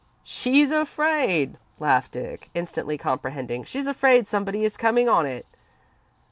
"She's afraid," laughed Dick, instantly comprehending. "She's afraid somebody is coming on it."